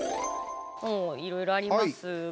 いろいろありますが。